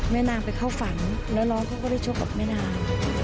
นางไปเข้าฝันแล้วน้องเขาก็ได้ชกกับแม่นาง